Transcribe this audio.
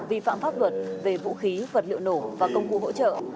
vi phạm pháp luật về vũ khí vật liệu nổ và công cụ hỗ trợ